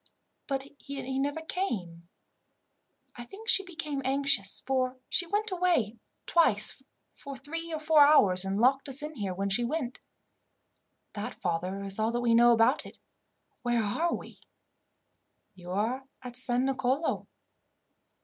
But he never came. I think she became anxious, for she went away twice for three or four hours, and locked us in here when she went. "That, father, is all we know about it. Where are we?" "You are at San Nicolo."